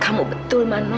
kamu betul mano